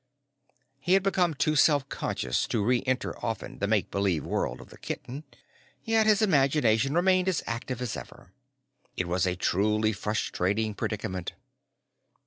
He had become too self conscious to re enter often the make believe world of the kitten, yet his imagination remained as active as ever. It was a truly frustrating predicament.